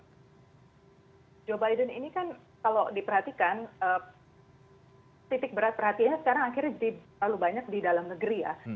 nah joe biden ini kan kalau diperhatikan titik berat perhatiannya sekarang akhirnya jadi terlalu banyak di dalam negeri ya